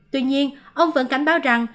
tuy nhiên ông vẫn cảnh báo rằng